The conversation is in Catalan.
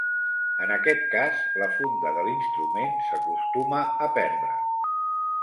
En aquest cas, la funda de l'instrument s'acostuma a perdre.